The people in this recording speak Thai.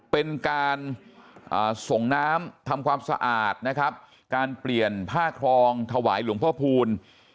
เป็นการส่งน้ำทำความสะอาดนะครับการเปลี่ยนผ้าครองถวายหลวงพ่อคูณ